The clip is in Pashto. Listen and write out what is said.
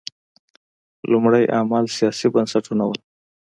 لومړی عامل سیاسي بنسټونه وو.